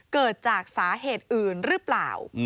เกิดจากสาเหตุอื่นหรือเปล่า